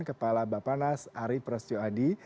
kepala bapak nas ari prasetyo adi